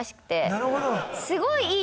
なるほど。